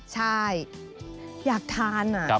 ใช่อยากทานอ่ะ